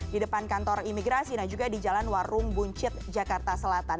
di depan kantor imigrasi dan juga di jalan warung buncit jakarta selatan